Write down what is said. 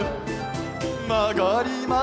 「まがります」